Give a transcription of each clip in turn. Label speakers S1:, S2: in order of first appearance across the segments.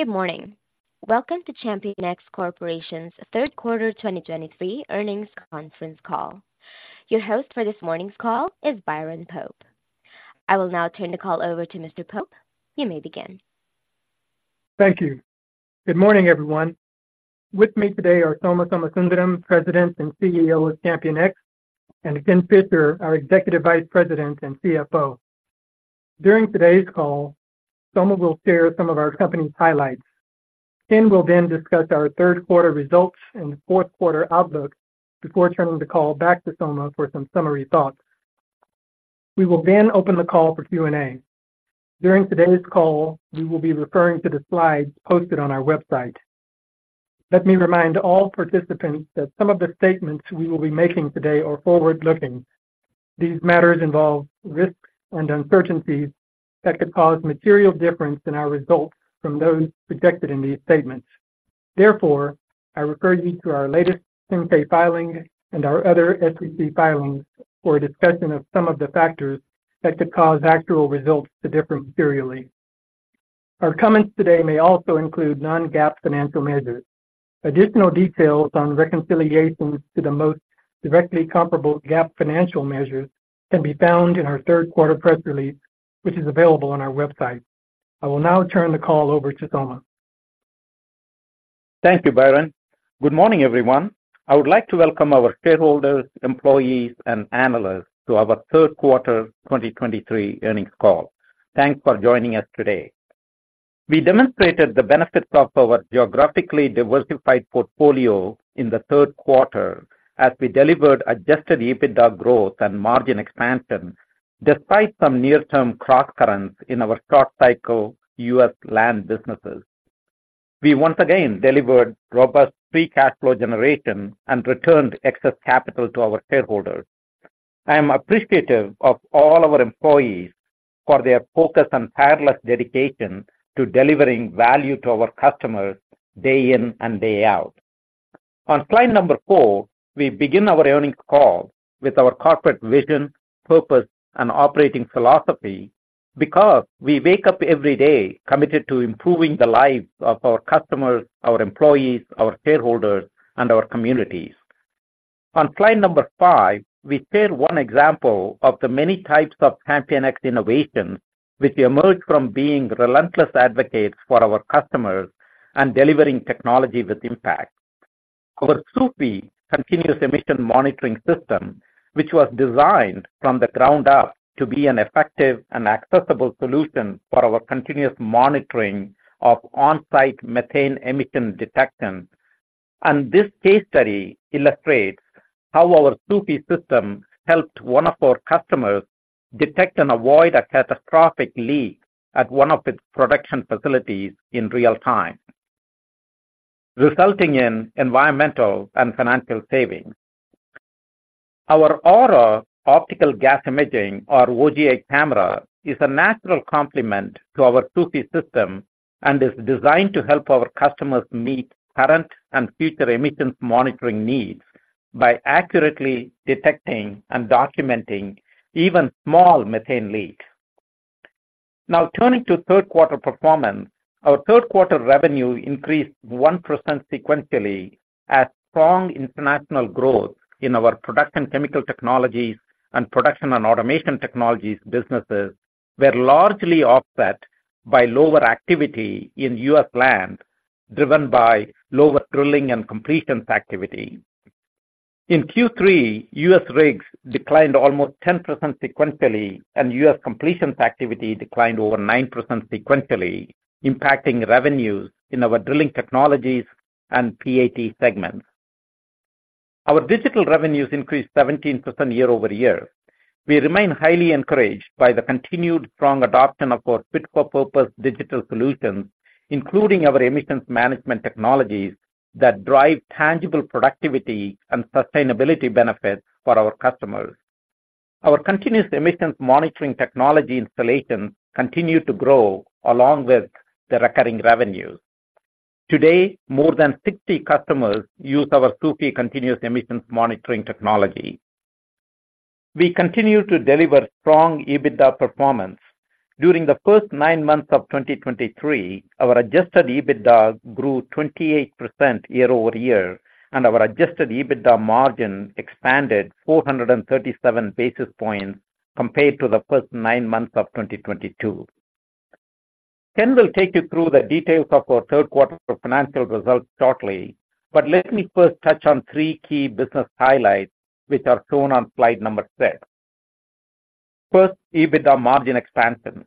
S1: Good morning. Welcome to ChampionX Corporation's third quarter 2023 earnings conference call. Your host for this morning's call is Byron Pope. I will now turn the call over to Mr. Pope. You may begin.
S2: Thank you. Good morning, everyone. With me today are Soma Somasundaram, President and CEO of ChampionX, and Ken Fisher, our Executive Vice President and CFO. During today's call, Soma will share some of our company's highlights. Ken will then discuss our third quarter results and fourth quarter outlook before turning the call back to Soma for some summary thoughts. We will then open the call for Q&A. During today's call, we will be referring to the slides posted on our website. Let me remind all participants that some of the statements we will be making today are forward-looking. These matters involve risks and uncertainties that could cause material difference in our results from those projected in these statements. Therefore, I refer you to our latest 10-K filing and our other SEC filings for a discussion of some of the factors that could cause actual results to differ materially. Our comments today may also include non-GAAP financial measures. Additional details on reconciliations to the most directly comparable GAAP financial measures can be found in our third quarter press release, which is available on our website. I will now turn the call over to Soma.
S3: Thank you, Byron. Good morning, everyone. I would like to welcome our shareholders, employees, and analysts to our third quarter 2023 earnings call. Thanks for joining us today. We demonstrated the benefits of our geographically diversified portfolio in the third quarter as we delivered adjusted EBITDA growth and margin expansion, despite some near-term crosscurrents in our short-cycle U.S. land businesses. We once again delivered robust free cash flow generation and returned excess capital to our shareholders. I am appreciative of all our employees for their focus and tireless dedication to delivering value to our customers day in and day out. On slide number four, we begin our earnings call with our corporate vision, purpose, and operating philosophy because we wake up every day committed to improving the lives of our customers, our employees, our shareholders, and our communities. On slide number five, we share one example of the many types of ChampionX innovations which emerge from being relentless advocates for our customers and delivering technology with impact. Our SOOFIE continuous emission monitoring system, which was designed from the ground up to be an effective and accessible solution for our continuous monitoring of on-site methane emission detection. This case study illustrates how our SOOFIE system helped one of our customers detect and avoid a catastrophic leak at one of its production facilities in real-time, resulting in environmental and financial savings. Our AURA Optical Gas Imaging, or OGI camera, is a natural complement to our SOOFIE system and is designed to help our customers meet current and future emissions monitoring needs by accurately detecting and documenting even small methane leaks. Now, turning to third quarter performance. Our third quarter revenue increased 1% sequentially, as strong international growth in our Production Chemical Technologies and Production and Automation Technologies businesses were largely offset by lower activity in U.S. land, driven by lower drilling and completions activity. In Q3, U.S. rigs declined almost 10% sequentially, and U.S. completions activity declined over 9% sequentially, impacting revenues in our drilling technologies and PAT segments. Our digital revenues increased 17% year-over-year. We remain highly encouraged by the continued strong adoption of our fit-for-purpose digital solutions, including our emissions management technologies that drive tangible productivity and sustainability benefits for our customers. Our continuous emissions monitoring technology installations continue to grow along with the recurring revenues. Today, more than 60 customers use our SOOFIE continuous emissions monitoring technology. We continue to deliver strong EBITDA performance. During the first nine months of 2023, our adjusted EBITDA grew 28% year-over-year, and our adjusted EBITDA margin expanded 437 basis points compared to the first nine months of 2022. Ken will take you through the details of our third quarter financial results shortly, but let me first touch on three key business highlights, which are shown on slide six. First, EBITDA margin expansion.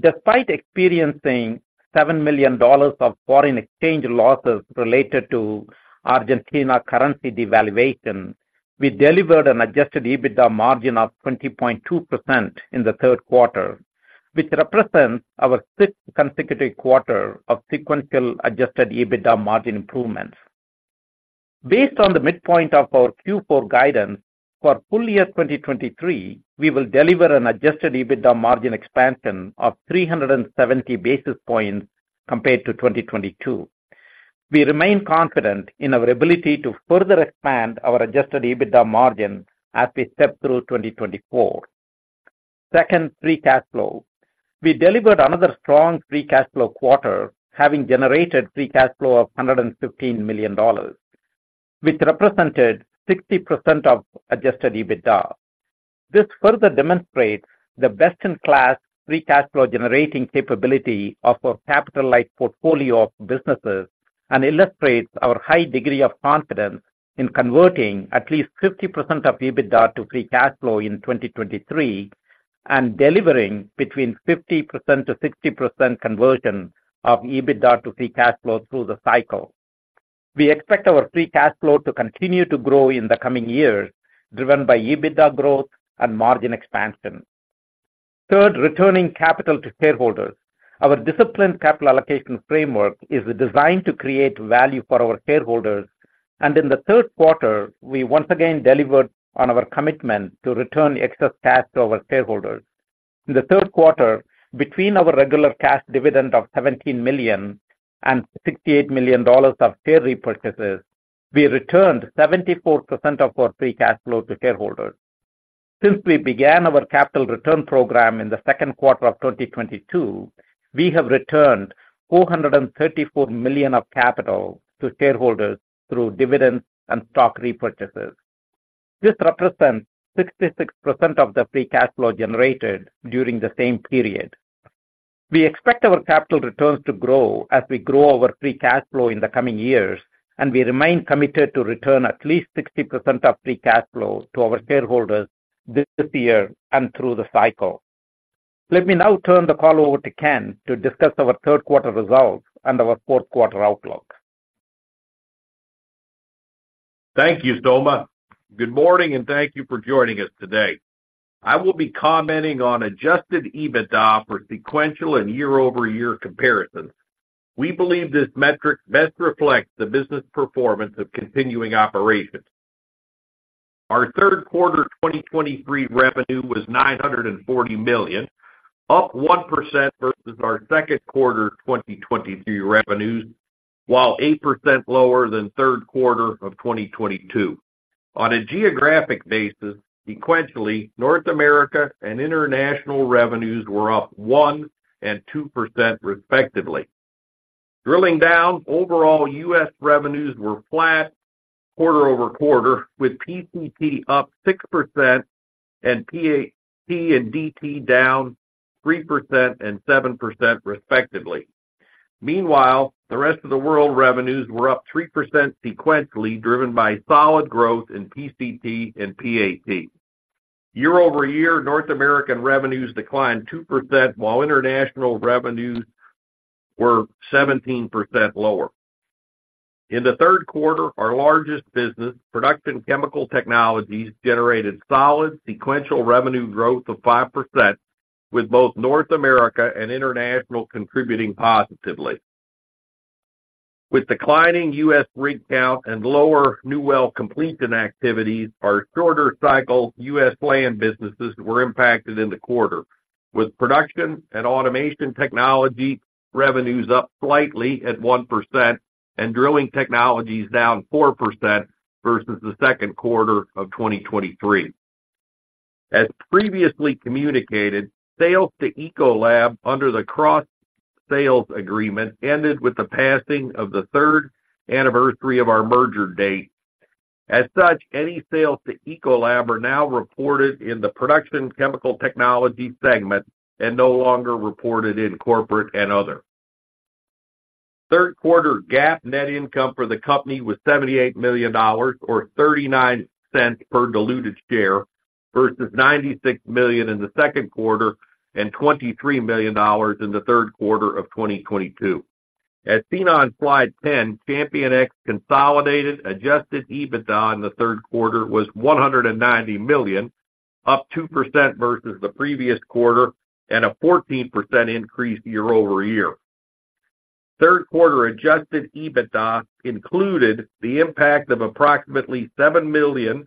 S3: Despite experiencing $7 million of foreign exchange losses related to Argentina currency devaluation, we delivered an adjusted EBITDA margin of 20.2% in the third quarter, which represents our sixth consecutive quarter of sequential adjusted EBITDA margin improvements. Based on the midpoint of our Q4 guidance for full year 2023, we will deliver an adjusted EBITDA margin expansion of 370 basis points compared to 2022. We remain confident in our ability to further expand our adjusted EBITDA margin as we step through 2024. Second, free cash flow. We delivered another strong free cash flow quarter, having generated free cash flow of $115 million, which represented 60% of adjusted EBITDA. This further demonstrates the best-in-class free cash flow generating capability of our capital-light portfolio of businesses and illustrates our high degree of confidence in converting at least 50% of EBITDA to free cash flow in 2023, and delivering between 50%-60% conversion of EBITDA to free cash flow through the cycle. We expect our free cash flow to continue to grow in the coming years, driven by EBITDA growth and margin expansion. Third, returning capital to shareholders. Our disciplined capital allocation framework is designed to create value for our shareholders, and in the third quarter, we once again delivered on our commitment to return excess cash to our shareholders. In the third quarter, between our regular cash dividend of $17 million and $68 million of share repurchases, we returned 74% of our free cash flow to shareholders. Since we began our capital return program in the second quarter of 2022, we have returned $434 million of capital to shareholders through dividends and stock repurchases. This represents 66% of the free cash flow generated during the same period. We expect our capital returns to grow as we grow our free cash flow in the coming years, and we remain committed to return at least 60% of free cash flow to our shareholders this year and through the cycle. Let me now turn the call over to Ken to discuss our third quarter results and our fourth quarter outlook.
S4: Thank you, Soma. Good morning, and thank you for joining us today. I will be commenting on adjusted EBITDA for sequential and year-over-year comparisons. We believe this metric best reflects the business performance of continuing operations. Our third quarter 2023 revenue was $940 million, up 1% versus our second quarter 2023 revenues, while 8% lower than third quarter of 2022. On a geographic basis, sequentially, North America and international revenues were up 1% and 2%, respectively. Drilling down, overall, U.S. revenues were flat quarter-over-quarter, with PCT up 6% and PAT and DT down 3% and 7%, respectively. Meanwhile, the rest of the world revenues were up 3% sequentially, driven by solid growth in PCT and PAT. Year-over-year, North American revenues declined 2%, while international revenues were 17% lower. In the third quarter, our largest business, Production Chemical Technologies, generated solid sequential revenue growth of 5%, with both North America and International contributing positively. With declining U.S. rig count and lower new well completion activities, our shorter cycle U.S. land businesses were impacted in the quarter, with production and automation technology revenues up slightly at 1% and drilling technologies down 4% versus the second quarter of 2023. As previously communicated, sales to Ecolab under the cross-sales agreement ended with the passing of the third anniversary of our merger date. As such, any sales to Ecolab are now reported in the Production Chemical Technologies segment and no longer reported in corporate and other. Third quarter GAAP net income for the company was $78 million, or $0.39 per diluted share, versus $96 million in the second quarter and $23 million in the third quarter of 2022. As seen on slide 10, ChampionX consolidated adjusted EBITDA in the third quarter was $190 million, up 2% versus the previous quarter and a 14% increase year-over-year. Third quarter adjusted EBITDA included the impact of approximately $7 million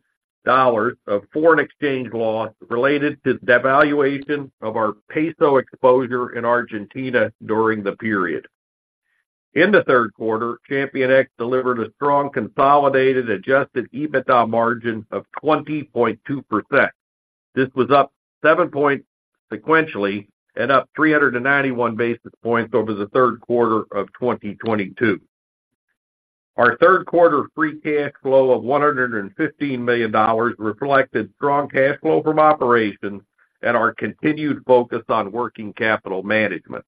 S4: of foreign exchange loss related to the devaluation of our peso exposure in Argentina during the period. In the third quarter, ChampionX delivered a strong consolidated adjusted EBITDA margin of 20.2%. This was up 7 points sequentially and up 391 basis points over the third quarter of 2022. Our third quarter free cash flow of $115 million reflected strong cash flow from operations and our continued focus on working capital management.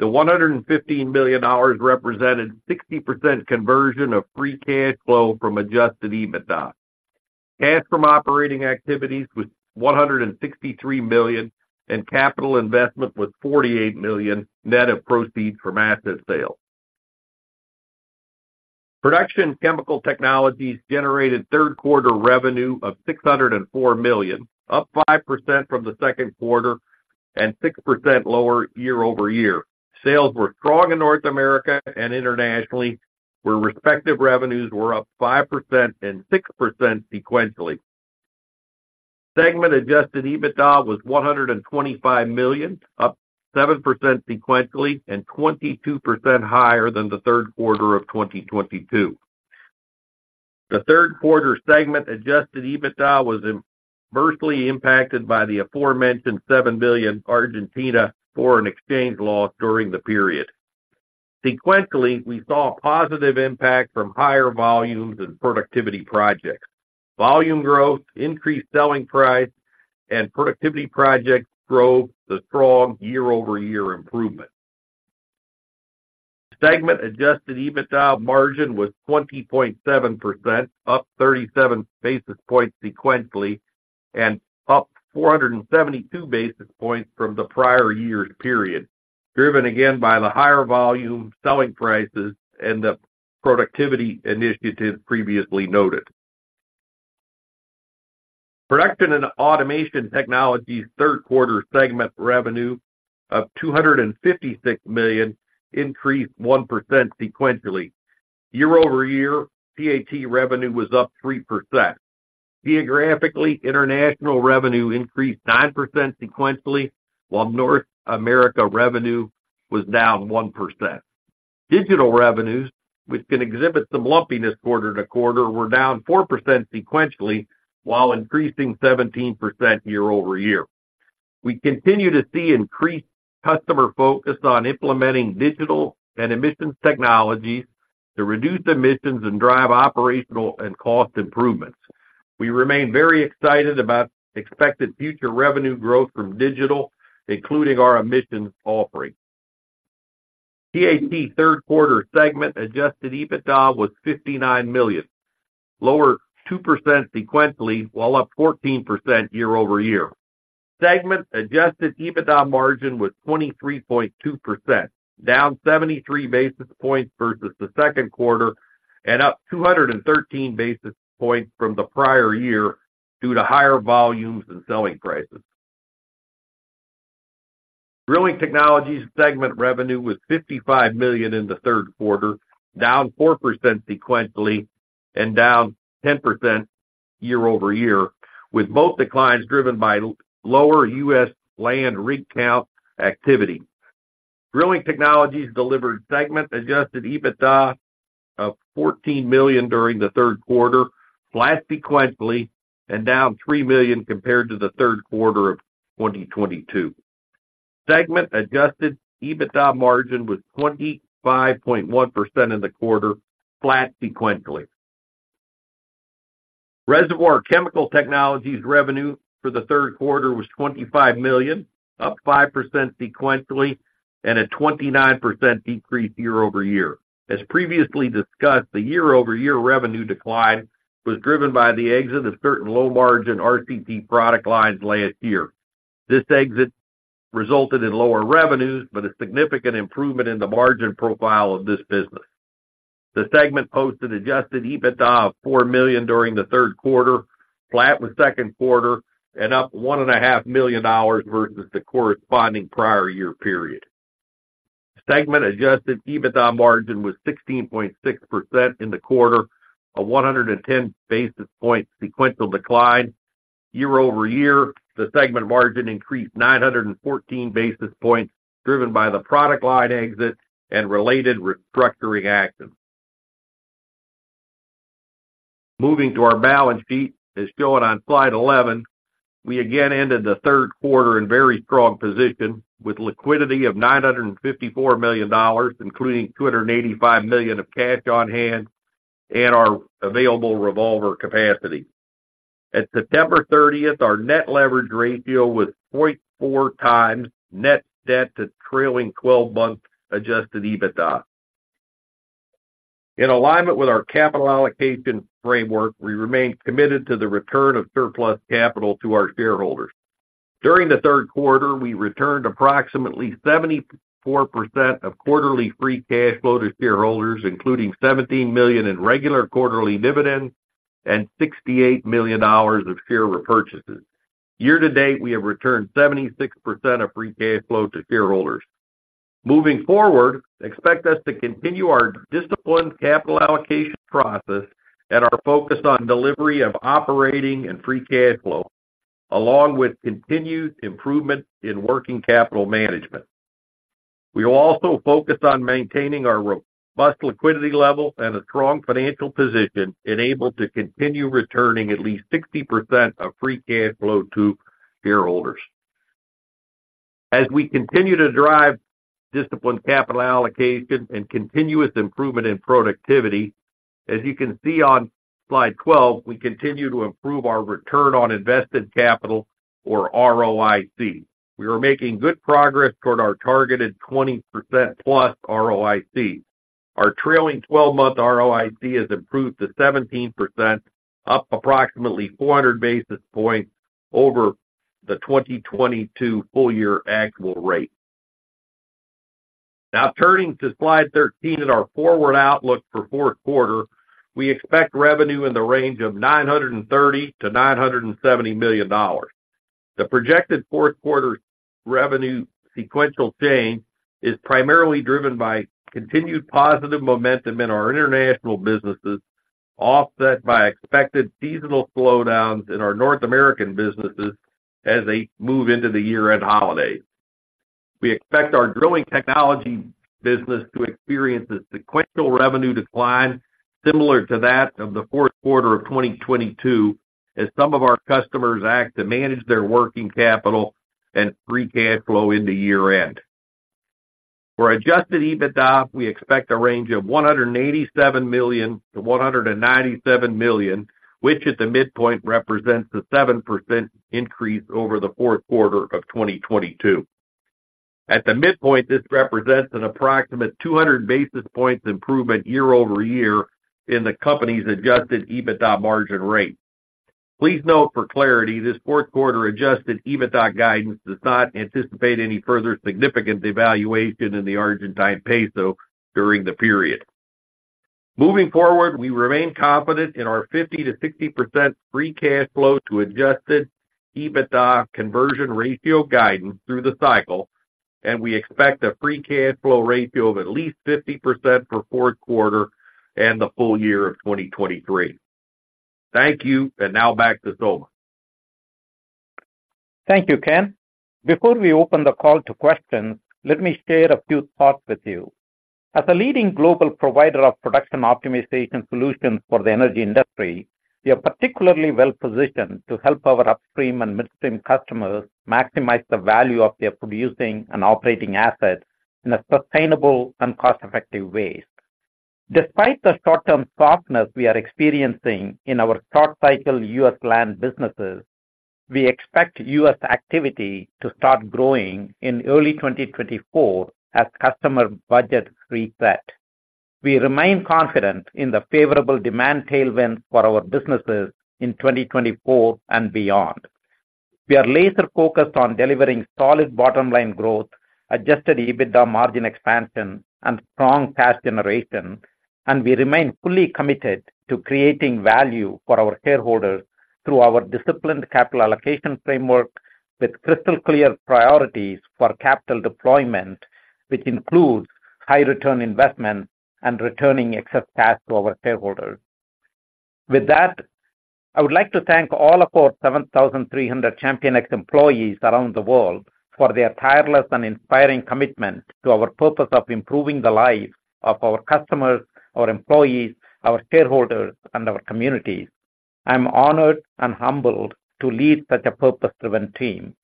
S4: The $115 million represented 60% conversion of free cash flow from adjusted EBITDA. Cash from operating activities was $163 million, and capital investment was $48 million, net of proceeds from asset sales. Production Chemical Technologies generated third quarter revenue of $604 million, up 5% from the second quarter and 6% lower year-over-year. Sales were strong in North America and internationally, where respective revenues were up 5% and 6% sequentially. Segment adjusted EBITDA was $125 million, up 7% sequentially and 22% higher than the third quarter of 2022. The third quarter segment adjusted EBITDA was adversely impacted by the aforementioned 7 billion Argentina foreign exchange loss during the period. Sequentially, we saw a positive impact from higher volumes and productivity projects. Volume growth, increased selling price, and productivity projects drove the strong year-over-year improvement. Segment adjusted EBITDA margin was 20.7%, up 37 basis points sequentially, and up 472 basis points from the prior year's period, driven again by the higher volume, selling prices, and the productivity initiatives previously noted. Production and Automation Technologies third quarter segment revenue of $256 million, increased 1% sequentially. Year-over-year, PAT revenue was up 3%. Geographically, international revenue increased 9% sequentially, while North America revenue was down 1%. Digital revenues, which can exhibit some lumpiness quarter to quarter, were down 4% sequentially, while increasing 17% year-over-year. We continue to see increased customer focus on implementing digital and emissions technologies to reduce emissions and drive operational and cost improvements. We remain very excited about expected future revenue growth from digital, including our emissions offering. PAT third quarter segment adjusted EBITDA was $59 million, lower 2% sequentially, while up 14% year-over-year. Segment adjusted EBITDA margin was 23.2%, down 73 basis points versus the second quarter, and up 213 basis points from the prior year due to higher volumes and selling prices. Drilling Technologies segment revenue was $55 million in the third quarter, down 4% sequentially and down 10% year-over-year, with both declines driven by lower U.S. land rig count activity. Drilling Technologies delivered segment adjusted EBITDA of $14 million during the third quarter, flat sequentially and down $3 million compared to the third quarter of 2022. Segment adjusted EBITDA margin was 25.1% in the quarter, flat sequentially. Reservoir Chemical Technologies revenue for the third quarter was $25 million, up 5% sequentially, and a 29% decrease year-over-year. As previously discussed, the year-over-year revenue decline was driven by the exit of certain low-margin RCT product lines last year. This exit resulted in lower revenues, but a significant improvement in the margin profile of this business. The segment posted adjusted EBITDA of $4 million during the third quarter, flat with second quarter, and up $1.5 million versus the corresponding prior year period. Segment adjusted EBITDA margin was 16.6% in the quarter, a 110 basis points sequential decline. Year-over-year, the segment margin increased 914 basis points, driven by the product line exit and related restructuring actions. Moving to our balance sheet, as shown on slide 11, we again ended the third quarter in very strong position, with liquidity of $954 million, including $285 million of cash on hand and our available revolver capacity. At September 30, our net leverage ratio was 0.4x net debt to trailing 12-month adjusted EBITDA. In alignment with our capital allocation framework, we remain committed to the return of surplus capital to our shareholders. During the third quarter, we returned approximately 74% of quarterly free cash flow to shareholders, including $17 million in regular quarterly dividends and $68 million of share repurchases. Year to date, we have returned 76% of free cash flow to shareholders. Moving forward, expect us to continue our disciplined capital allocation process and our focus on delivery of operating and free cash flow, along with continued improvement in working capital management. We will also focus on maintaining our robust liquidity level and a strong financial position, enabled to continue returning at least 60% of free cash flow to shareholders. As we continue to drive disciplined capital allocation and continuous improvement in productivity, as you can see on slide 12, we continue to improve our return on invested capital or ROIC. We are making good progress toward our targeted 20%+ ROIC. Our trailing 12-month ROIC has improved to 17%, up approximately 400 basis points over the 2022 full year actual rate. Now, turning to slide 13 and our forward outlook for fourth quarter, we expect revenue in the range of $930 million-$970 million. The projected fourth quarter revenue sequential change is primarily driven by continued positive momentum in our international businesses, offset by expected seasonal slowdowns in our North American businesses as they move into the year-end holidays. We expect our drilling technology business to experience a sequential revenue decline similar to that of the fourth quarter of 2022, as some of our customers act to manage their working capital and free cash flow into year-end. For adjusted EBITDA, we expect a range of $187 million-$197 million, which at the midpoint represents a 7% increase over the fourth quarter of 2022. At the midpoint, this represents an approximate 200 basis points improvement year-over-year in the company's adjusted EBITDA margin rate. Please note for clarity, this fourth quarter adjusted EBITDA guidance does not anticipate any further significant devaluation in the Argentine peso during the period. Moving forward, we remain confident in our 50%-60% free cash flow to adjusted EBITDA conversion ratio guidance through the cycle, and we expect a free cash flow ratio of at least 50% for fourth quarter and the full year of 2023. Thank you, and now back to Soma.
S3: Thank you, Ken. Before we open the call to questions, let me share a few thoughts with you. As a leading global provider of production optimization solutions for the energy industry, we are particularly well-positioned to help our upstream and midstream customers maximize the value of their producing and operating assets in a sustainable and cost-effective way. Despite the short-term softness we are experiencing in our short cycle U.S. land businesses, we expect U.S. activity to start growing in early 2024 as customer budgets reset. We remain confident in the favorable demand tailwinds for our businesses in 2024 and beyond. We are laser focused on delivering solid bottom line growth, adjusted EBITDA margin expansion, and strong cash generation, and we remain fully committed to creating value for our shareholders through our disciplined capital allocation framework with crystal clear priorities for capital deployment, which includes high return investment and returning excess cash to our shareholders. With that, I would like to thank all of our 7,300 ChampionX employees around the world for their tireless and inspiring commitment to our purpose of improving the lives of our customers, our employees, our shareholders, and our communities. I'm honored and humbled to lead such a purpose-driven team.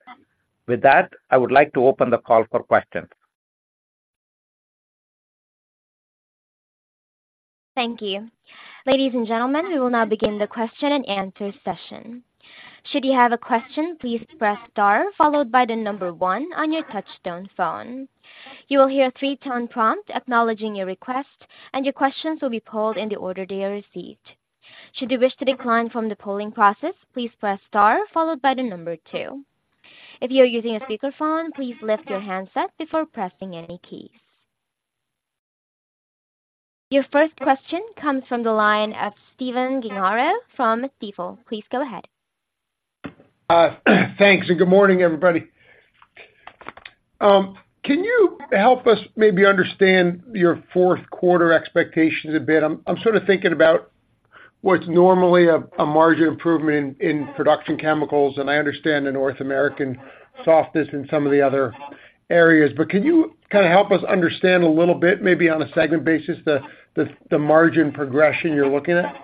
S3: With that, I would like to open the call for questions.
S1: Thank you. Ladies and gentlemen, we will now begin the question-and-answer session. Should you have a question, please press star followed by the number one on your touchtone phone. You will hear a three-tone prompt acknowledging your request, and your questions will be polled in the order they are received. Should you wish to decline from the polling process, please press star followed by the number two. If you are using a speakerphone, please lift your handset before pressing any keys. Your first question comes from the line of Stephen Gengaro from Stifel. Please go ahead.
S5: Thanks, and good morning, everybody. Can you help us maybe understand your fourth quarter expectations a bit? I'm sort of thinking about what's normally a margin improvement in production chemicals, and I understand the North American softness in some of the other areas. But can you kinda help us understand a little bit, maybe on a segment basis, the margin progression you're looking at?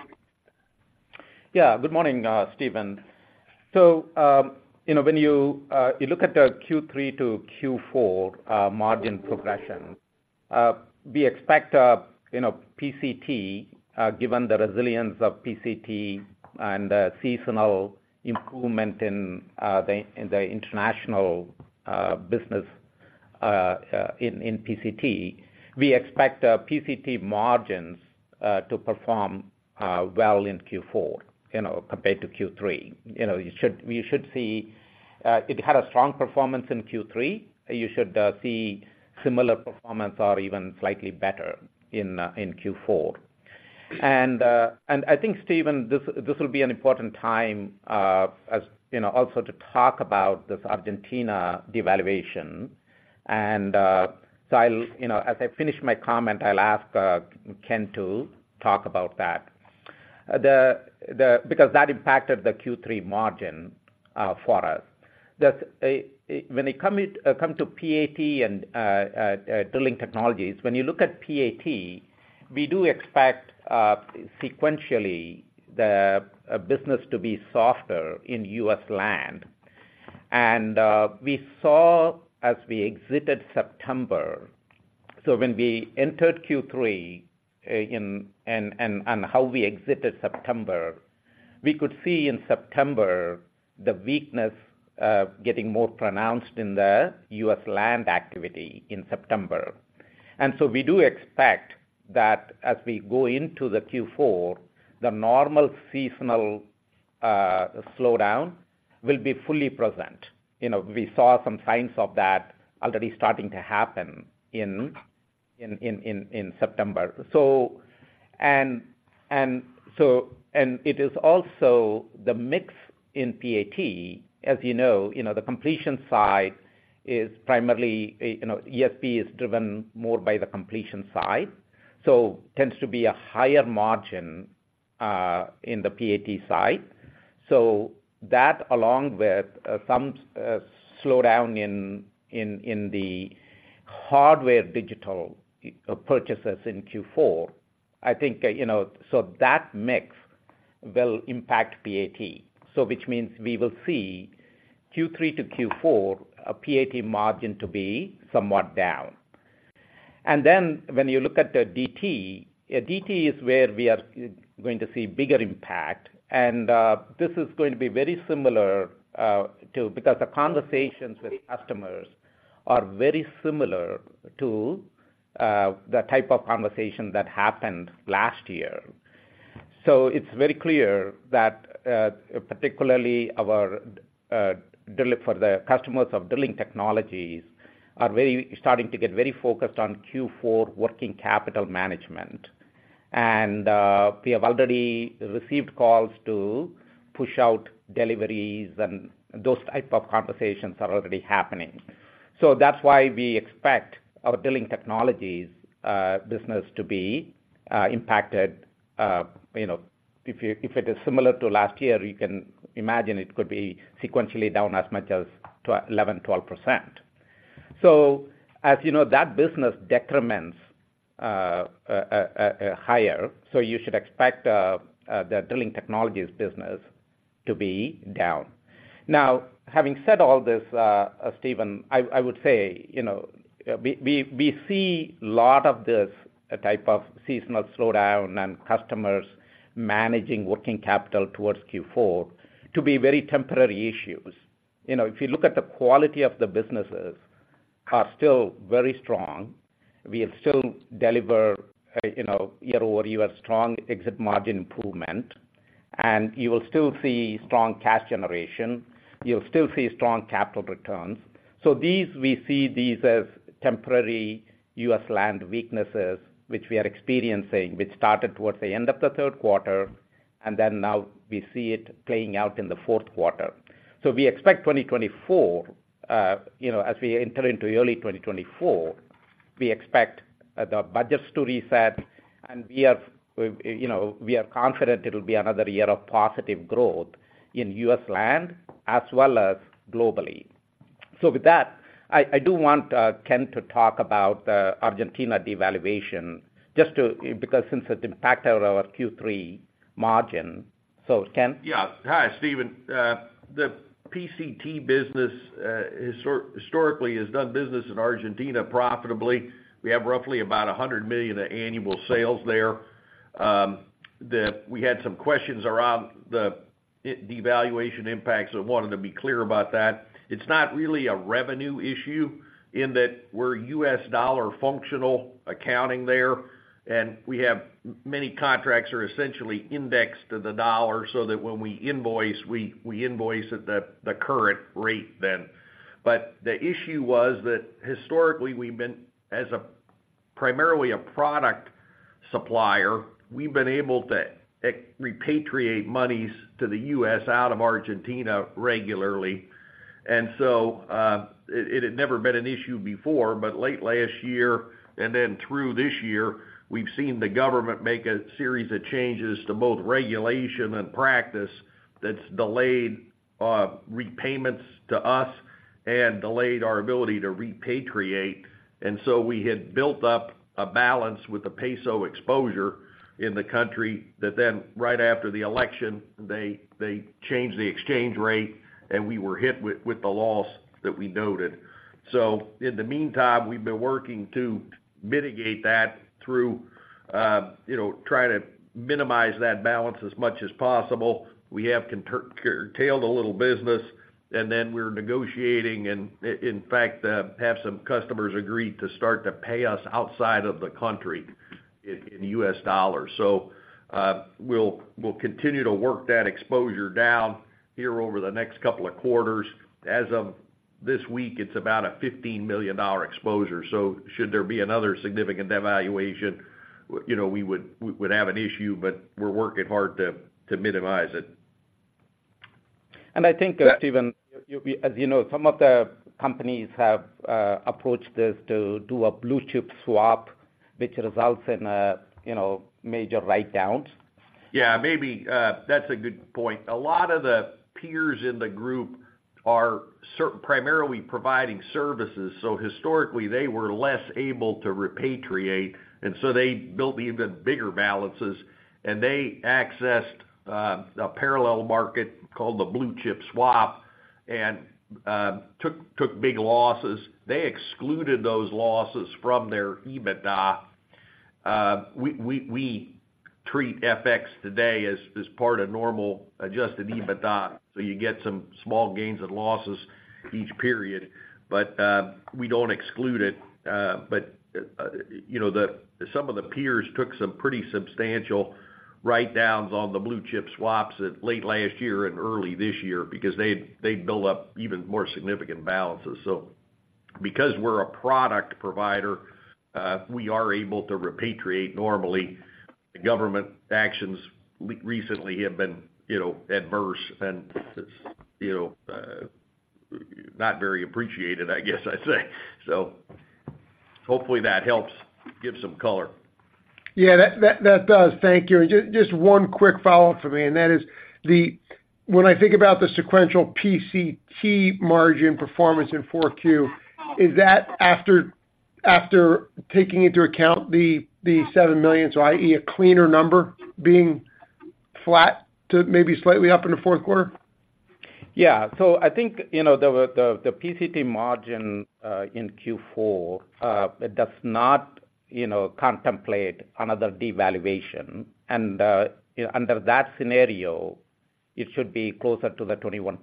S3: Yeah. Good morning, Stephen. So, you know, when you look at the Q3 to Q4 margin progression, we expect, you know, PCT, given the resilience of PCT and the seasonal improvement in the international business in PCT, we expect PCT margins to perform well in Q4, you know, compared to Q3. You know, you should - you should see, it had a strong performance in Q3. You should see similar performance or even slightly better in Q4. And, and I think, Stephen, this will be an important time, as you know, also to talk about this Argentina devaluation. And, so I'll, you know, as I finish my comment, I'll ask Ken to talk about that. Because that impacted the Q3 margin for us. That, when it comes to PAT and drilling technologies, when you look at PAT, we do expect sequentially the business to be softer in U.S. land. And we saw as we exited September. So when we entered Q3 and how we exited September, we could see in September the weakness getting more pronounced in the U.S. land activity in September. And so we do expect that as we go into the Q4, the normal seasonal slowdown will be fully present. You know, we saw some signs of that already starting to happen in September. It is also the mix in PAT, as you know, you know, the completion side is primarily, you know, ESP is driven more by the completion side, so tends to be a higher margin, in the PAT side. So that along with, some slowdown in the hardware digital purchases in Q4, I think, you know, so that mix will impact PAT. So which means we will see Q3 to Q4, PAT margin to be somewhat down. And then when you look at the DT, DT is where we are going to see bigger impact, and, this is going to be very similar, to, because the conversations with customers are very similar to, the type of conversation that happened last year. So it's very clear that, particularly our Drilling Technologies customers are starting to get very focused on Q4 working capital management. We have already received calls to push out deliveries, and those type of conversations are already happening. So that's why we expect our Drilling Technologies business to be impacted. You know, if it is similar to last year, you can imagine it could be sequentially down as much as 11%-12%. So as you know, that business decrements higher, so you should expect the Drilling Technologies business to be down. Now, having said all this, Stephen, I would say, you know, we see lot of this type of seasonal slowdown and customers managing working capital towards Q4 to be very temporary issues. You know, if you look at the quality of the businesses are still very strong, we have still delivered, you know, year-over-year strong exit margin improvement, and you will still see strong cash generation, you'll still see strong capital returns. So these, we see these as temporary U.S. land weaknesses, which we are experiencing, which started towards the end of the third quarter, and then now we see it playing out in the fourth quarter. So we expect 2024, you know, as we enter into early 2024, we expect the budgets to reset, and we are, you know, we are confident it'll be another year of positive growth in U.S. land, as well as globally. So with that, I do want Ken to talk about Argentina devaluation just to because since it impacted our Q3 margin. So Ken?
S4: Yeah. Hi, Stephen. The PCT business historically has done business in Argentina profitably. We have roughly about $100 million of annual sales there. We had some questions around the devaluation impacts, so I wanted to be clear about that. It's not really a revenue issue in that we're U.S. dollar functional accounting there, and many contracts are essentially indexed to the dollar, so that when we invoice, we invoice at the current rate then. But the issue was that historically, we've been, as primarily a product supplier, we've been able to repatriate monies to the U.S. out of Argentina regularly. And so, it had never been an issue before, but late last year, and then through this year, we've seen the government make a series of changes to both regulation and practice that's delayed repayments to us and delayed our ability to repatriate. And so we had built up a balance with the peso exposure in the country that then right after the election, they changed the exchange rate, and we were hit with the loss that we noted. So in the meantime, we've been working to mitigate that through, you know, trying to minimize that balance as much as possible. We have curtailed a little business, and then we're negotiating, and in fact, have some customers agree to start to pay us outside of the country, in U.S. dollars. So, we'll continue to work that exposure down here over the next couple of quarters. As of this week, it's about a $15 million exposure. So should there be another significant devaluation, you know, we would have an issue, but we're working hard to minimize it.
S3: I think, Stephen, you, you as you know, some of the companies have approached this to do a Blue Chip Swap, which results in a, you know, major write down.
S4: Yeah, maybe, that's a good point. A lot of the peers in the group are primarily providing services, so historically, they were less able to repatriate, and so they built even bigger balances, and they accessed a parallel market called the Blue Chip Swap and took big losses. They excluded those losses from their EBITDA. We treat FX today as part of normal adjusted EBITDA, so you get some small gains and losses each period, but we don't exclude it. But you know, some of the peers took some pretty substantial write-downs on the Blue Chip Swaps at late last year and early this year because they'd built up even more significant balances. So because we're a product provider, we are able to repatriate normally. The government actions recently have been, you know, adverse and, you know, not very appreciated, I guess I'd say, so. Hopefully that helps give some color.
S5: Yeah, that does. Thank you. And just one quick follow-up for me, and that is, when I think about the sequential PCT margin performance in 4Q, is that after taking into account the $7 million, so i.e., a cleaner number being flat to maybe slightly up in the fourth quarter?
S3: Yeah. So I think, you know, the PCT margin in Q4, it does not, you know, contemplate another devaluation, and under that scenario, it should be closer to the 21%.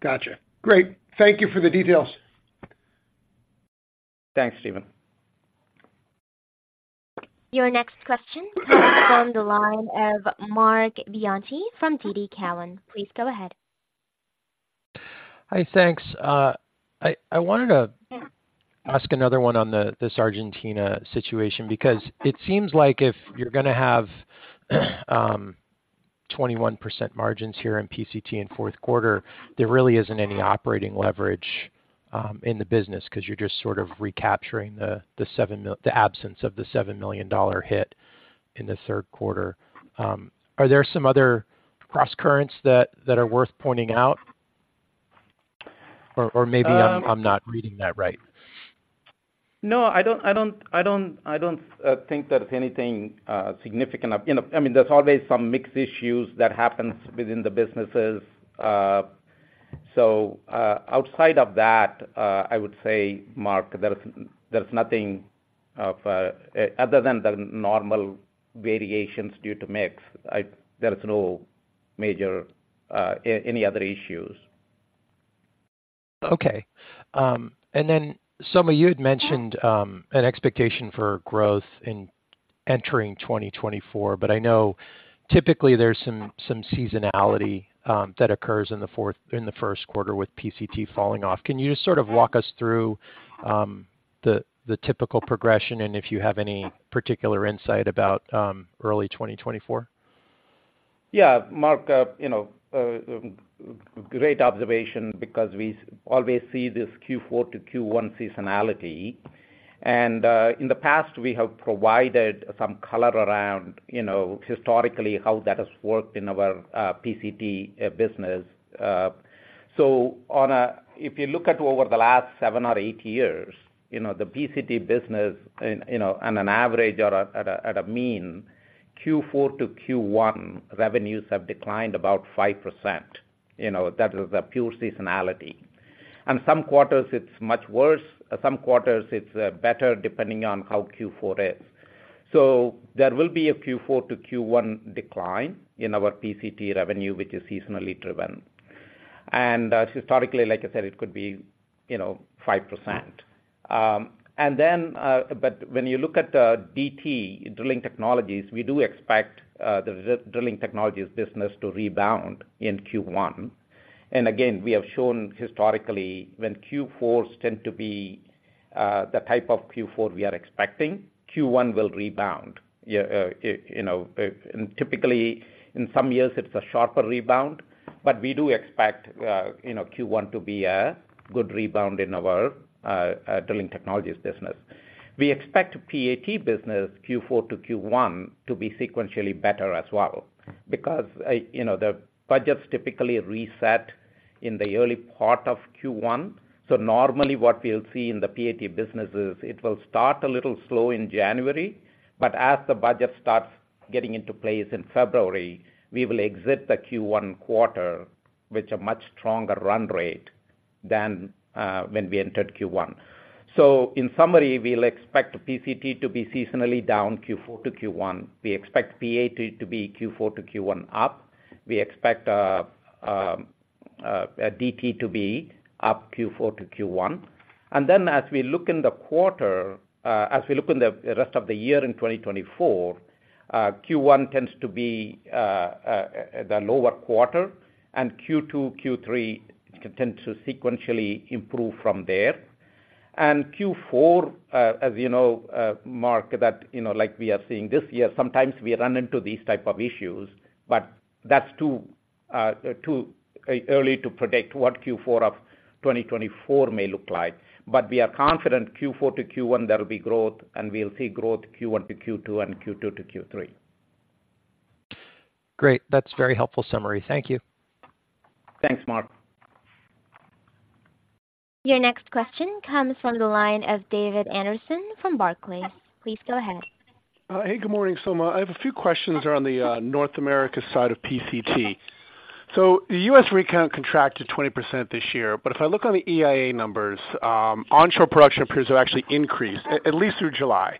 S5: Gotcha. Great, thank you for the details.
S3: Thanks, Stephen.
S1: Your next question comes from the line of Marc Bianchi from TD Cowen. Please go ahead.
S6: Hi, thanks. I wanted to ask another one on this Argentina situation, because it seems like if you're gonna have 21% margins here in PCT in fourth quarter, there really isn't any operating leverage in the business, 'cause you're just sort of recapturing the absence of the $7 million hit in the third quarter. Are there some other crosscurrents that are worth pointing out? Or maybe I'm not reading that right.
S3: No, I don't think that anything significant of... You know, I mean, there's always some mixed issues that happens within the businesses. So, outside of that, I would say, Marc, there's nothing of other than the normal variations due to mix. There is no major any other issues.
S6: Okay. And then, Soma, you had mentioned an expectation for growth in entering 2024, but I know typically there's some seasonality that occurs in the first quarter with PCT falling off. Can you just sort of walk us through the typical progression and if you have any particular insight about early 2024?
S3: Yeah, Marc, you know, great observation, because we always see this Q4 to Q1 seasonality. And, in the past, we have provided some color around, you know, historically, how that has worked in our, PCT, business. So on a -- if you look at over the last seven or eight years, you know, the PCT business, and, you know, on an average or at a, at a mean, Q4 to Q1, revenues have declined about 5%, you know, that is a pure seasonality. And some quarters it's much worse, some quarters it's, better, depending on how Q4 is. So there will be a Q4 to Q1 decline in our PCT revenue, which is seasonally driven. And, historically, like I said, it could be, you know, 5%. But when you look at the DT, Drilling Technologies, we do expect the Drilling Technologies business to rebound in Q1. And again, we have shown historically, when Q4s tend to be the type of Q4 we are expecting, Q1 will rebound. You know, and typically in some years it's a sharper rebound, but we do expect, you know, Q1 to be a good rebound in our Drilling Technologies business. We expect PAT business, Q4 to Q1, to be sequentially better as well, because, you know, the budgets typically reset in the early part of Q1. So normally what we'll see in the PAT business is it will start a little slow in January, but as the budget starts getting into place in February, we will exit the Q1 quarter with a much stronger run rate than when we entered Q1. So in summary, we'll expect PCT to be seasonally down Q4 to Q1. We expect PAT to be Q4 to Q1 up. We expect DT to be up Q4 to Q1. And then, as we look in the rest of the year in 2024, Q1 tends to be the lower quarter, and Q2, Q3 tend to sequentially improve from there. Q4, as you know, Marc, that you know, like we are seeing this year, sometimes we run into these type of issues, but that's too early to predict what Q4 of 2024 may look like. We are confident Q4 to Q1, there will be growth, and we'll see growth Q1 to Q2 and Q2 to Q3.
S6: Great. That's a very helpful summary. Thank you.
S3: Thanks, Marc.
S1: Your next question comes from the line of David Anderson from Barclays. Please go ahead.
S7: Hey, good morning, Soma. I have a few questions around the North America side of PCT. So the U.S. rig count contracted 20% this year, but if I look on the EIA numbers, onshore production appears to actually increased, at least through July.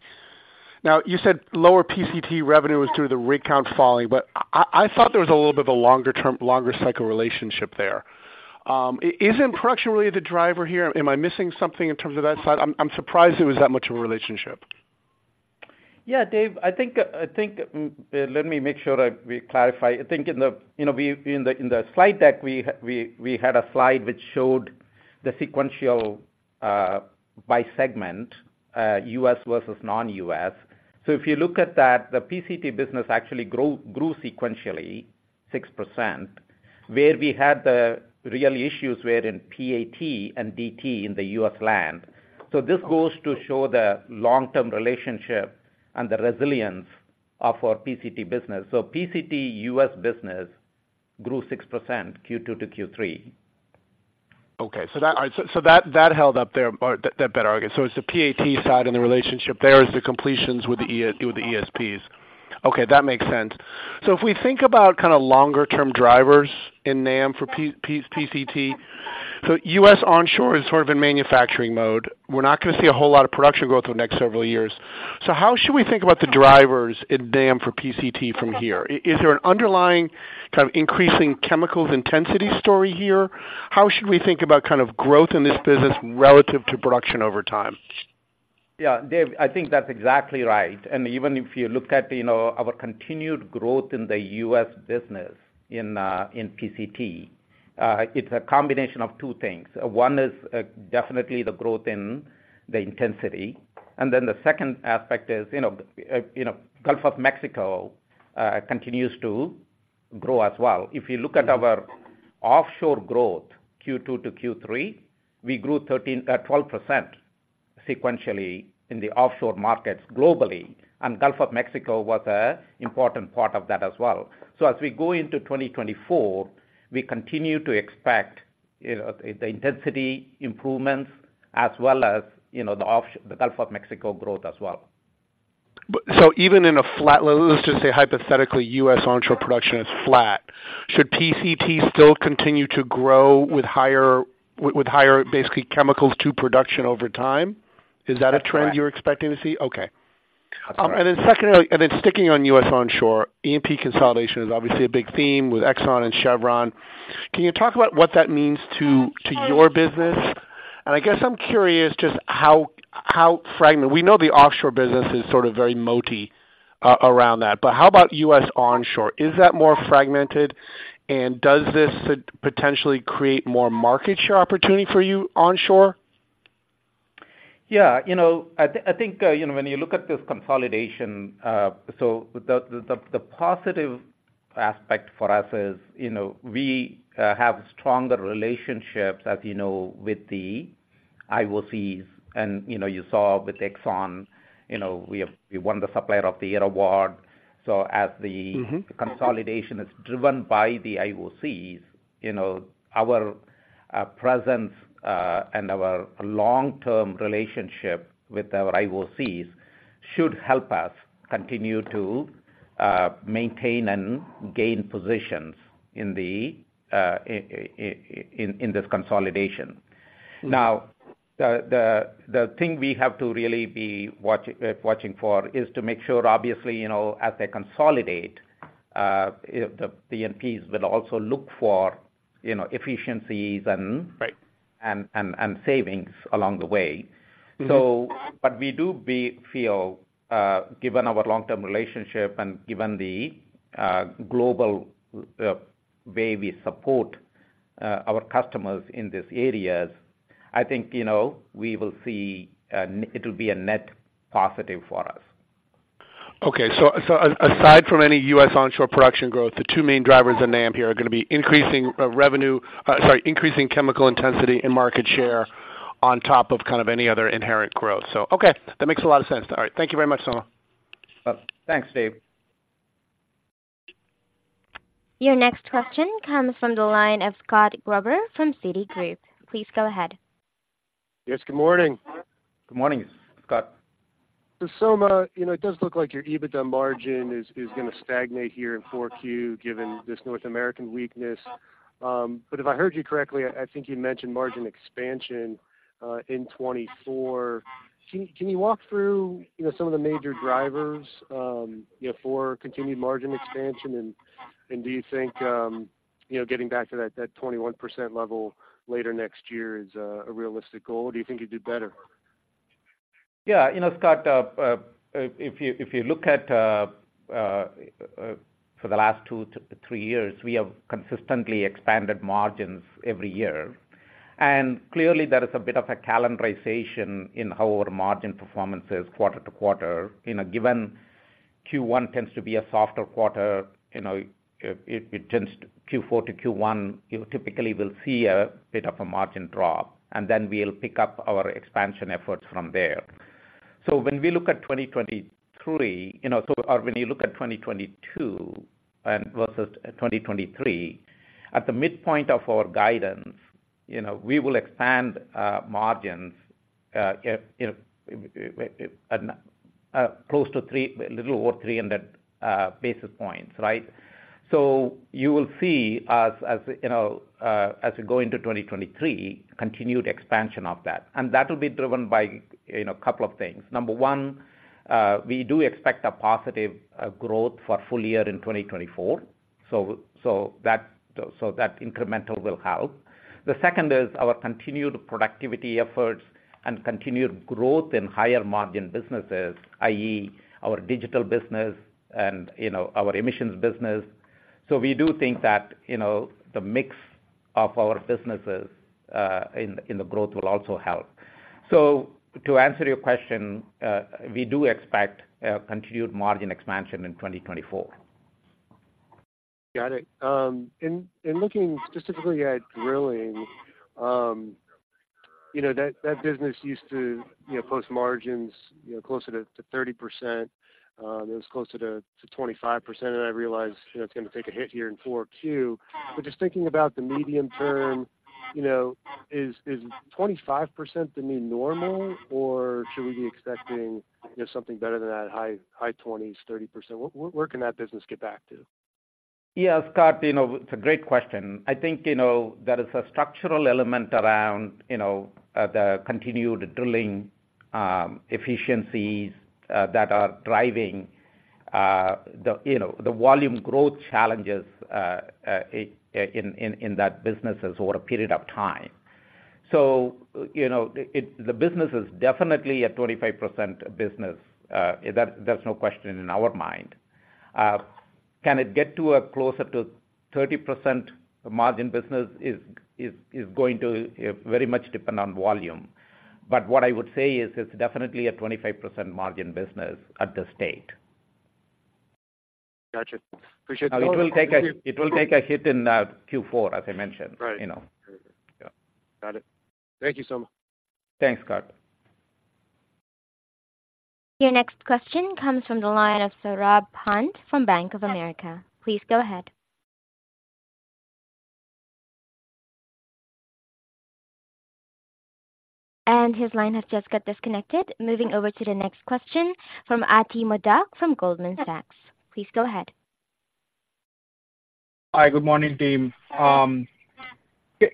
S7: Now, you said lower PCT revenue was through the rig count falling, but I thought there was a little bit of a longer term, longer cycle relationship there. Is impression really the driver here? Am I missing something in terms of that side? I'm surprised it was that much of a relationship.
S3: Yeah, Dave, I think, let me make sure that we clarify. I think in the, you know, we, in the slide deck, we had a slide which showed the sequential by segment U.S. versus non-U.S. So if you look at that, the PCT business actually grew sequentially 6%. Where we had the real issues were in PAT and DT in the U.S land. So this goes to show the long-term relationship and the resilience of our PCT business. So PCT U.S. business grew 6%, Q2 to Q3.
S7: Okay, so that held up there, or that better. Okay, so it's the PAT side and the relationship there is the completions with the ESPs. Okay, that makes sense. So if we think about kind of longer term drivers in NAM for PCT, so U.S. onshore is sort of in manufacturing mode. We're not gonna see a whole lot of production growth over the next several years. So how should we think about the drivers in NAM for PCT from here? Is there an underlying kind of increasing chemicals intensity story here? How should we think about kind of growth in this business relative to production over time?
S3: Yeah, Dave, I think that's exactly right. And even if you look at, you know, our continued growth in the U.S. business in PCT, it's a combination of two things. One is definitely the growth in the intensity, and then the second aspect is, you know, Gulf of Mexico continues to grow as well. If you look at our offshore growth, Q2 to Q3, we grew 12% sequentially in the offshore markets globally, and Gulf of Mexico was an important part of that as well. So as we go into 2024, we continue to expect, you know, the intensity improvements as well as, you know, the offshore - the Gulf of Mexico growth as well.
S7: But so even in a flat, let's just say hypothetically, U.S. onshore production is flat. Should PCT still continue to grow with higher, basically, chemicals to production over time?
S3: That's right.
S7: Is that a trend you're expecting to see? Okay.
S3: That's right.
S7: And then secondly, and then sticking on U.S. onshore, E&P consolidation is obviously a big theme with Exxon and Chevron. Can you talk about what that means to your business? And I guess I'm curious just how fragmented we know the offshore business is sort of very moaty around that, but how about U.S. onshore? Is that more fragmented, and does this potentially create more market share opportunity for you onshore?
S3: Yeah, you know, I think, you know, when you look at this consolidation, so the positive aspect for us is, you know, we have stronger relationships, as you know, with the IOCs, and, you know, you saw with Exxon, you know, we have, we won the Supplier of the Year award. So as the-
S7: Mm-hmm
S3: ...consolidation is driven by the IOCs, you know, our presence, and our long-term relationship with our IOCs should help us continue to maintain and gain positions in this consolidation.
S7: Mm.
S3: Now, the thing we have to really be watching for is to make sure, obviously, you know, as they consolidate, if the E&Ps will also look for, you know, efficiencies and-
S7: Right...
S3: and savings along the way.
S7: Mm-hmm.
S3: So, but we do feel, given our long-term relationship and given the global way we support our customers in these areas, I think, you know, we will see, it'll be a net positive for us.
S7: Okay. So aside from any U.S. onshore production growth, the two main drivers in NAM here are gonna be increasing revenue, sorry, increasing chemical intensity and market share on top of kind of any other inherent growth. So, okay, that makes a lot of sense. All right. Thank you very much, Soma.
S3: Thanks, Dave.
S1: Your next question comes from the line of Scott Gruber from Citigroup. Please go ahead.
S8: Yes, good morning.
S3: Good morning, Scott.
S8: So Soma, you know, it does look like your EBITDA margin is gonna stagnate here in 4Q, given this North American weakness. But if I heard you correctly, I think you mentioned margin expansion in 2024. Can you walk through, you know, some of the major drivers, you know, for continued margin expansion? And do you think, you know, getting back to that 21% level later next year is a realistic goal, or do you think you'd do better?
S3: Yeah. You know, Scott, if you, if you look at, for the last two to three years, we have consistently expanded margins every year. And clearly, there is a bit of a calendarization in how our margin performance is quarter to quarter. In a given, Q1 tends to be a softer quarter, you know, it tends to Q4 to Q1, you typically will see a bit of a margin drop, and then we'll pick up our expansion efforts from there. So when we look at 2023, you know, so, or when you look at 2022 and versus 2023, at the midpoint of our guidance, you know, we will expand margins, you know, close to three, a little over three in that basis points, right? So you will see, as you know, as we go into 2023, continued expansion of that. That will be driven by, you know, a couple of things. Number one, we do expect a positive growth for full year in 2024. So that incremental will help. The second is our continued productivity efforts and continued growth in higher margin businesses, i.e., our digital business and, you know, our emissions business. So we do think that, you know, the mix of our businesses in the growth will also help. So to answer your question, we do expect continued margin expansion in 2024.
S8: Got it. In looking specifically at drilling, you know, that business used to, you know, post margins, you know, closer to 30%. It was closer to 25%, and I realize, you know, it's gonna take a hit here in 4Q. But just thinking about the medium term, you know, is 25% the new normal, or should we be expecting, you know, something better than that, high 20s, 30%? Where can that business get back to?
S3: Yeah, Scott, you know, it's a great question. I think, you know, there is a structural element around, you know, the continued drilling efficiencies that are driving the volume growth challenges in that business over a period of time. So, you know, it, the business is definitely a 25% business, that, there's no question in our mind. Can it get to a closer to 30% margin business? Is going to very much depend on volume. But what I would say is it's definitely a 25% margin business at this state.
S8: Gotcha. Appreciate it-
S3: It will take a hit in Q4, as I mentioned.
S8: Right.
S3: You know? Yeah.
S8: Got it. Thank you so much.
S3: Thanks, Scott.
S1: Your next question comes from the line of Saurabh Pant from Bank of America. Please go ahead. His line has just got disconnected. Moving over to the next question from Ati Modak from Goldman Sachs. Please go ahead.
S9: Hi, good morning, team.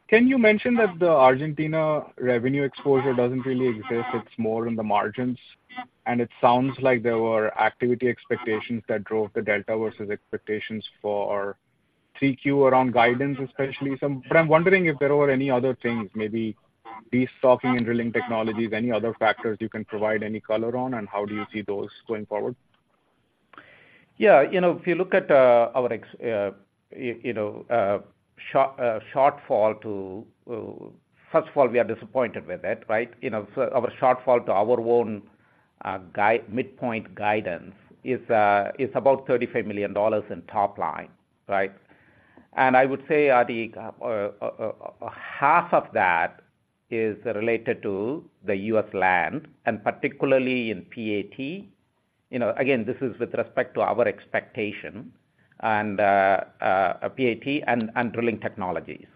S9: Can you mention that the Argentina revenue exposure doesn't really exist, it's more in the margins? It sounds like there were activity expectations that drove the delta versus expectations for 3Q around guidance, especially some... I'm wondering if there were any other things, maybe destocking and drilling technologies, any other factors you can provide any color on, and how do you see those going forward?
S3: Yeah, you know, if you look at our shortfall to, first of all, we are disappointed with it, right? You know, so our shortfall to our own guide, midpoint guidance is about $35 million in top line, right? And I would say, Ati, half of that is related to the U.S. land, and particularly in PAT. You know, again, this is with respect to our expectation and PAT and Drilling Technologies.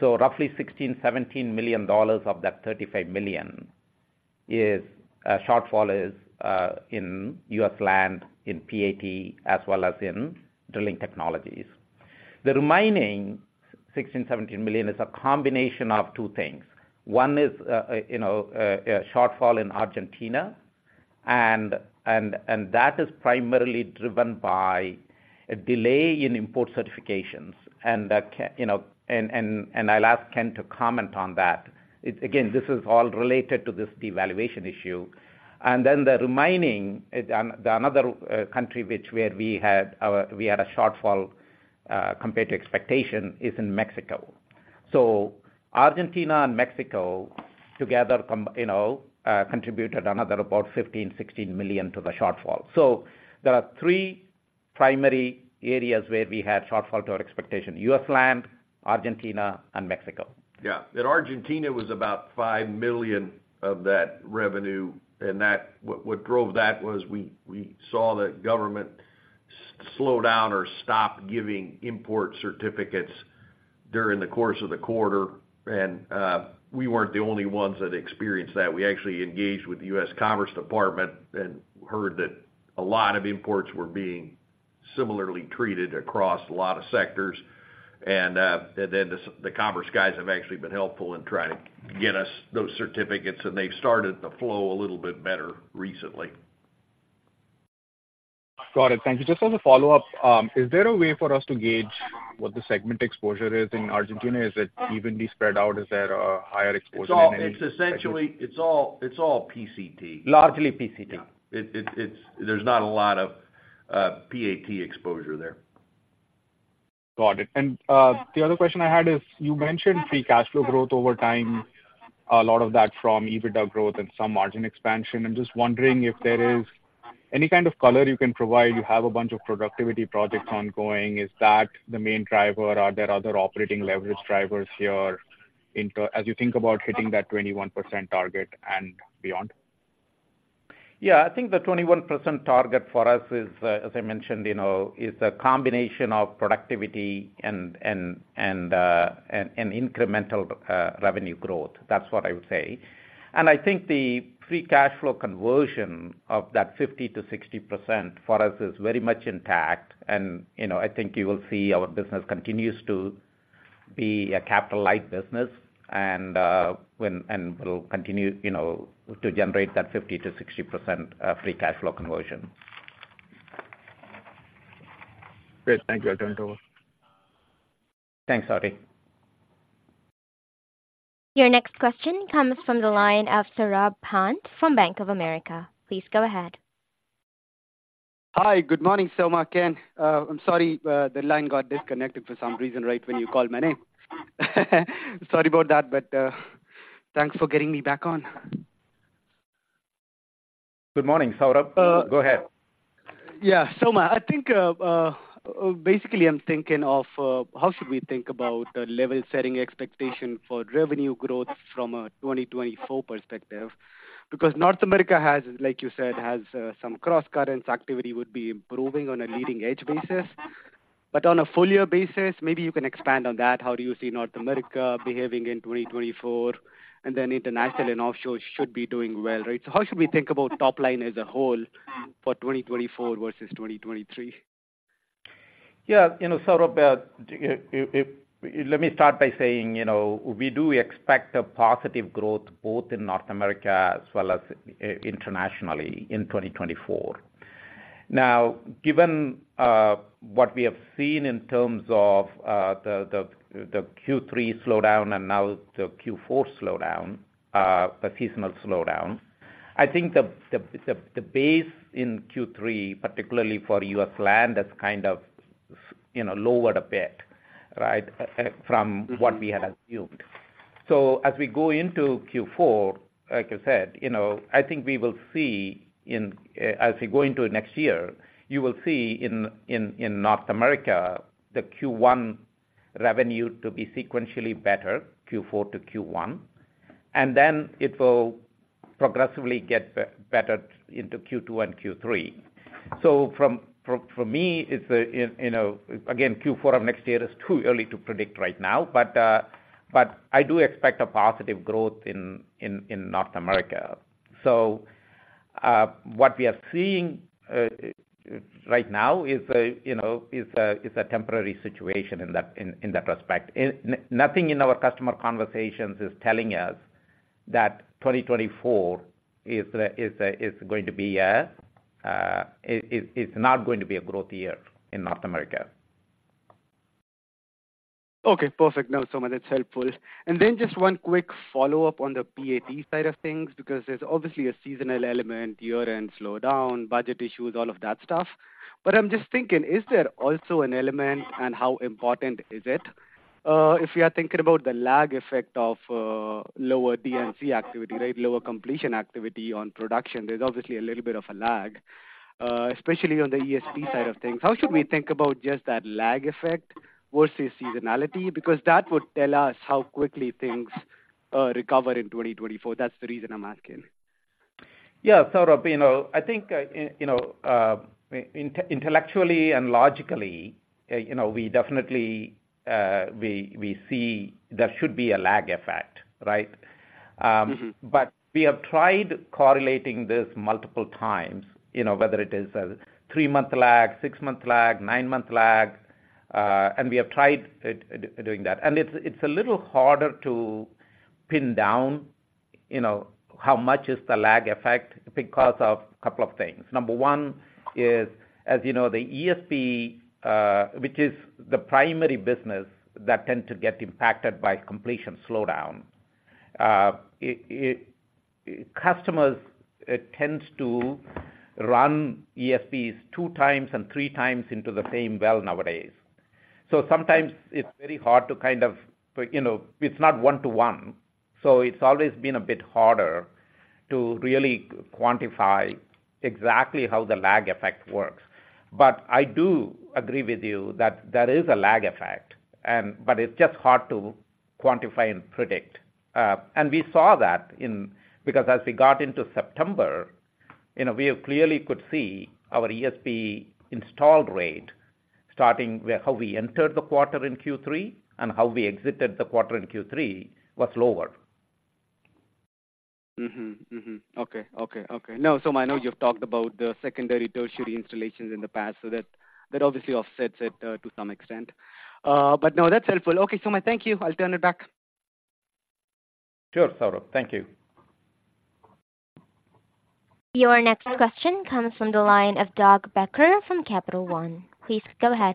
S3: So roughly $16 million-$17 million of that $35 million is shortfall in U.S. land, in PAT, as well as in Drilling Technologies. The remaining $16 million-$17 million is a combination of two things. One is, you know, a shortfall in Argentina, and that is primarily driven by a delay in import certifications. And that, you know, I'll ask Ken to comment on that. It again, this is all related to this devaluation issue. And then the remaining, another country, where we had a shortfall, compared to expectation, is in Mexico. So Argentina and Mexico together, you know, contributed another about $15 million-$16 million to the shortfall. So there are three primary areas where we had shortfall to our expectation: U.S. land, Argentina and Mexico.
S4: Yeah. And Argentina was about $5 million of that revenue, and that—what drove that was we saw the government slow down or stop giving import certificates during the course of the quarter. And we weren't the only ones that experienced that. We actually engaged with the U.S. Commerce Department and heard that a lot of imports were being similarly treated across a lot of sectors. And then the commerce guys have actually been helpful in trying to get us those certificates, and they've started to flow a little bit better recently.
S9: Got it. Thank you. Just as a follow-up, is there a way for us to gauge what the segment exposure is in Argentina? Is it evenly spread out? Is there a higher exposure than any-
S4: It's essentially all PCT.
S9: Largely PCT?
S4: Yeah. It's, there's not a lot of PAT exposure there.
S9: Got it. And, the other question I had is, you mentioned free cash flow growth over time, a lot of that from EBITDA growth and some margin expansion. I'm just wondering if there is any kind of color you can provide. You have a bunch of productivity projects ongoing. Is that the main driver, or are there other operating leverage drivers here into as you think about hitting that 21% target and beyond?
S3: Yeah, I think the 21% target for us is, as I mentioned, you know, is a combination of productivity and incremental revenue growth. That's what I would say. And I think the free cash flow conversion of that 50%-60% for us is very much intact. And, you know, I think you will see our business continues to be a capital light business, and we'll continue, you know, to generate that 50%-60% free cash flow conversion.
S9: Great. Thank you. I turn it over.
S3: Thanks, Ati....
S1: Your next question comes from the line of Saurabh Pant from Bank of America. Please go ahead.
S10: Hi. Good morning, Soma, Ken. I'm sorry, the line got disconnected for some reason, right when you called my name. Sorry about that, but, thanks for getting me back on.
S3: Good morning, Saurabh. Go ahead.
S10: Yeah. Soma, I think basically, I'm thinking of how should we think about the level setting expectation for revenue growth from a 2024 perspective? Because North America has, like you said, some cross currents. Activity would be improving on a leading edge basis, but on a full year basis, maybe you can expand on that. How do you see North America behaving in 2024? And then international and offshore should be doing well, right? So how should we think about top line as a whole for 2024 versus 2023?
S3: Yeah, you know, Saurabh, if -- let me start by saying, you know, we do expect positive growth both in North America as well as internationally in 2024. Now, given what we have seen in terms of the Q3 slowdown and now the Q4 slowdown, a seasonal slowdown, I think the base in Q3, particularly for U.S. land, that's kind of, you know, lowered a bit, right, from-
S10: Mm-hmm.
S3: What we had assumed. So as we go into Q4, like I said, you know, I think we will see in as we go into next year, you will see in North America, the Q1 revenue to be sequentially better, Q4 to Q1, and then it will progressively get better into Q2 and Q3. So from for me, it's a you know, again, Q4 of next year is too early to predict right now, but but I do expect a positive growth in North America. So what we are seeing right now is a you know, is a temporary situation in that respect. Nothing in our customer conversations is telling us that 2024 is not going to be a growth year in North America.
S10: Okay, perfect. Now, Soma, that's helpful. And then just one quick follow-up on the PAT side of things, because there's obviously a seasonal element year-end slowdown, budget issues, all of that stuff. But I'm just thinking, is there also an element, and how important is it, if you are thinking about the lag effect of lower D&C activity, right? Lower completion activity on production, there's obviously a little bit of a lag, especially on the ESP side of things. How should we think about just that lag effect versus seasonality? Because that would tell us how quickly things recover in 2024. That's the reason I'm asking.
S3: Yeah. Saurabh, you know, I think, you know, intellectually and logically, you know, we definitely, we see there should be a lag effect, right?
S10: Mm-hmm.
S3: But we have tried correlating this multiple times, you know, whether it is a three-month lag, six-month lag, nine-month lag, and we have tried doing that. And it's, it's a little harder to pin down, you know, how much is the lag effect because of a couple of things. Number one is, as you know, the ESP, which is the primary business that tends to get impacted by completion slowdown. Customers, it tends to run ESPs 2x and 3x into the same well nowadays. So sometimes it's very hard to kind of, you know, it's not one to one, so it's always been a bit harder to really quantify exactly how the lag effect works. But I do agree with you that there is a lag effect, and but it's just hard to quantify and predict. And we saw that in, because as we got into September, you know, we clearly could see our ESP installed rate starting where, how we entered the quarter in Q3, and how we exited the quarter in Q3 was lower.
S10: Mm-hmm. Mm-hmm. Okay, okay, okay. Now, Soma, I know you've talked about the secondary, tertiary installations in the past, so that, that obviously offsets it, to some extent. But no, that's helpful. Okay, Soma, thank you. I'll turn it back.
S3: Sure, Saurabh. Thank you.
S1: Your next question comes from the line of Doug Becker from Capital One. Please go ahead.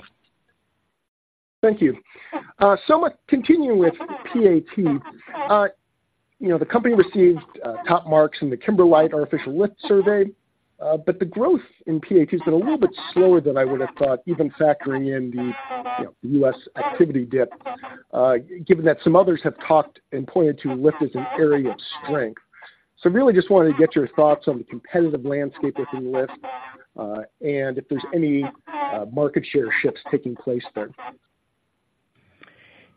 S11: Thank you. Soma, continuing with PAT, you know, the company received top marks in the Kimberlite Artificial Lift survey, but the growth in PAT has been a little bit slower than I would have thought, even factoring in the, you know, U.S. activity dip, given that some others have talked and pointed to Artificial Lift as an area of strength. So really just wanted to get your thoughts on the competitive landscape within Artificial Lift, and if there's any market share shifts taking place there.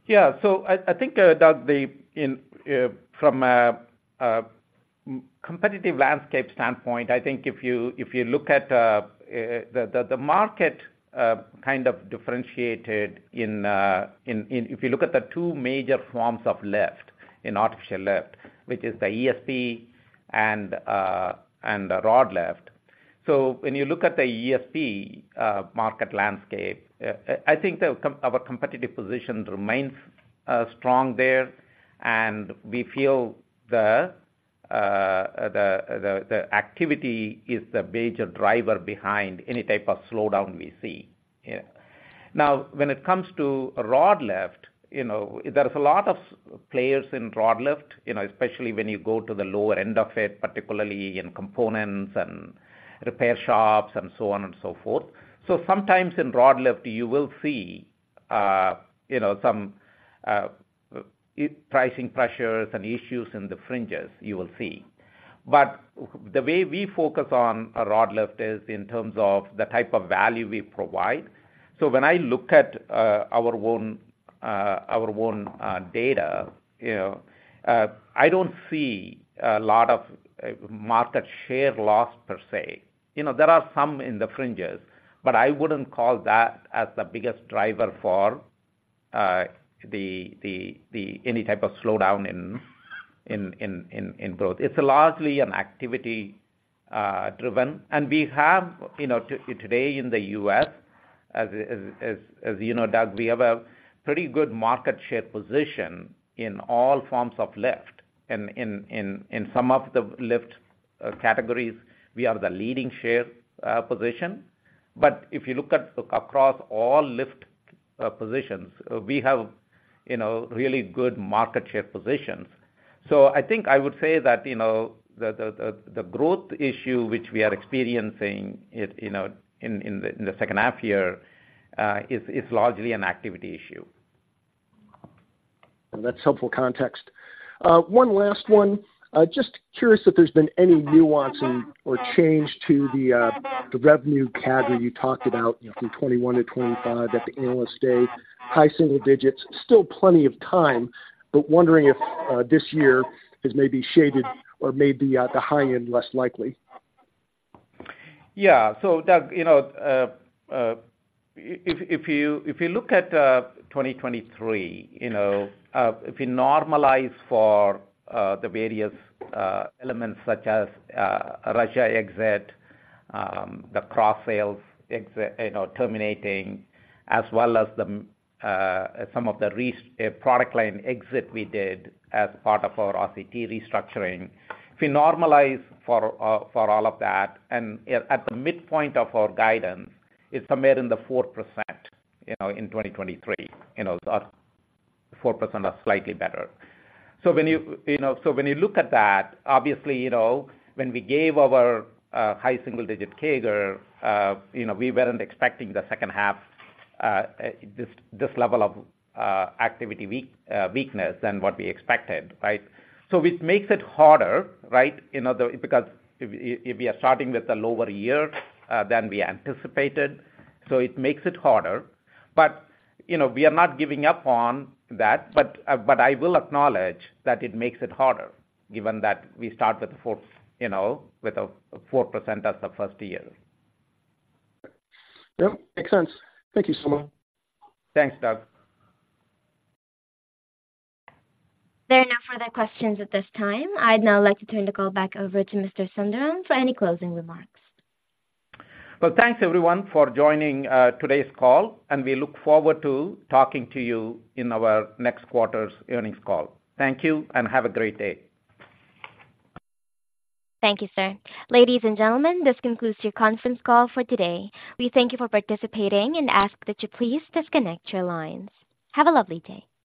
S3: Yeah. So I think, Doug, from a competitive landscape standpoint, I think if you look at the market kind of differentiated in—if you look at the two major forms of lift in Artificial Lift, which is the ESP and the Rod Lift. So when you look at the ESP market landscape, I think our competitive position remains strong there, and we feel the activity is the major driver behind any type of slowdown we see, yeah. Now, when it comes to Rod Lift, you know, there's a lot of players in Rod Lift, you know, especially when you go to the lower end of it, particularly in components and repair shops and so on and so forth. So sometimes in rod lift, you will see, you know, some pricing pressures and issues in the fringes, you will see. But the way we focus on rod lift is in terms of the type of value we provide. So when I look at our own data, you know, I don't see a lot of market share loss per se. You know, there are some in the fringes, but I wouldn't call that as the biggest driver for any type of slowdown in growth. It's largely an activity driven, and we have, you know, today in the U.S., as you know, Doug, we have a pretty good market share position in all forms of lift. In some of the lift categories, we are the leading share position. But if you look at across all lift positions, we have, you know, really good market share positions. So I think I would say that, you know, the growth issue, which we are experiencing it, you know, in the second half year, is largely an activity issue.
S11: Well, that's helpful context. One last one. Just curious if there's been any nuance in or change to the revenue CAGR you talked about, you know, from 21 to 25 at the Analyst Day, high single digits. Still plenty of time, but wondering if this year is maybe shaded or maybe at the high end, less likely.
S3: Yeah. So, Doug, you know, if you look at 2023, you know, if you normalize for the various elements such as Russia exit, the cross-sales exit, you know, terminating, as well as the some of the product line exit we did as part of our PCT restructuring. If we normalize for all of that, and at the midpoint of our guidance, it's somewhere in the 4%, you know, in 2023, you know, 4% or slightly better. So when you look at that, obviously, you know, when we gave our high single-digit CAGR, you know, we weren't expecting the second half this level of activity weakness than what we expected, right? So it makes it harder, right, you know, though, because if we are starting with a lower year than we anticipated, so it makes it harder. But, you know, we are not giving up on that. But, but I will acknowledge that it makes it harder, given that we started fourth, you know, with a 4% as the first year.
S11: Yep, makes sense. Thank you so much.
S3: Thanks, Doug.
S1: There are no further questions at this time. I'd now like to turn the call back over to Mr. Somasundaram for any closing remarks.
S3: Well, thanks, everyone, for joining, today's call, and we look forward to talking to you in our next quarter's earnings call. Thank you and have a great day.
S1: Thank you, sir. Ladies and gentlemen, this concludes your conference call for today. We thank you for participating and ask that you please disconnect your lines. Have a lovely day.